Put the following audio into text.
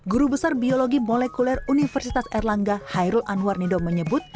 guru besar biologi molekuler universitas erlangga hairul anwar nido menyebut